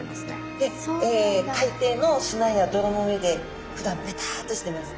で海底の砂や泥の上でふだんベタッとしてます。